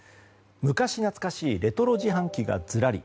昔懐かしいレトロ自販機がずらり。